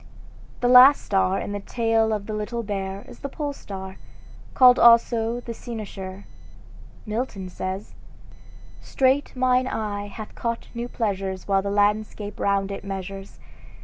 The last star in the tail of the Little Bear is the Pole star, called also the Cynosure. Milton says: "Straight mine eye hath caught new pleasures While the landscape round it measures.